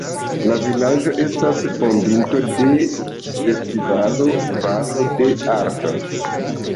La vilaĝo estas fondinto de festivalo Valo de Artoj.